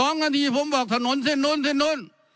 ๒นาทีผมบอกถนนเส้นนู้นเส้นนู้น